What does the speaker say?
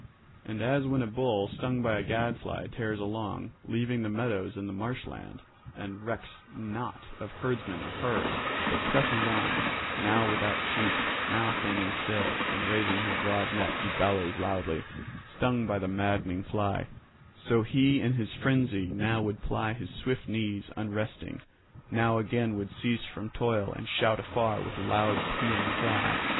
And as when a bull stung by a gadfly tears along, leaving the meadows and the marsh land, and recks not of herdsmen or herd, but presses on, now without cheek, now standing still, and raising his broad neck he bellows loudly, stung by the maddening fly; so he in his frenzy now would ply his swift knees unresting, now again would cease from toil and shout afar with loud pealing cry.